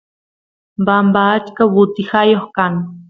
bamba achka butijayoq kan